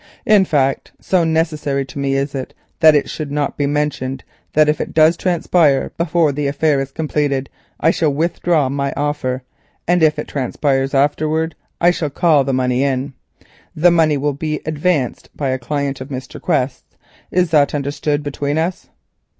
In fact, so necessary to me is it that my name should not be mentioned, that if it does transpire before the affair is completed I shall withdraw my offer, and if it transpires afterwards I shall call the money in. The loan will be advanced by a client of Mr. Quest's. Is that understood between us?"